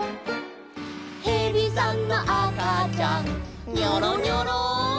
「へびさんのあかちゃんニョロニョロ」